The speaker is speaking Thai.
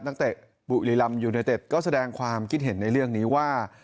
นักเตะบุรีรำยูเนเต็ดก็แสดงความคิดเห็นในเรื่องนี้ว่า